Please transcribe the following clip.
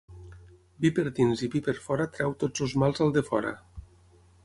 Vi per dins i vi per fora treu tots els mals al defora.